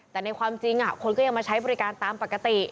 แต่ในความจริงคนก็ยังมาใช้บริการตามปกติ